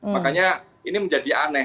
makanya ini menjadi aneh